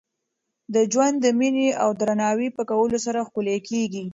ژوند د میني او درناوي په کولو سره ښکلی کېږي.